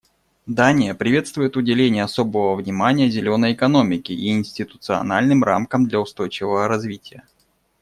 Дания приветствует уделение особого внимания «зеленой» экономике и институциональным рамкам для устойчивого развития.